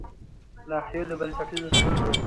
ناحيو د بنسټيزو ستونزو د